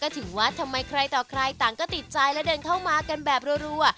ถึงว่าทำไมใครต่อใครต่างก็ติดใจและเดินเข้ามากันแบบรัว